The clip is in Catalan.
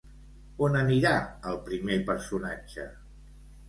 On anirà el primer personatge?